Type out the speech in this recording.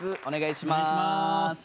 お願いします。